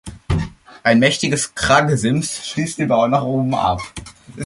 Ein mächtiges Kraggesims schließt den Bau nach oben hin ab.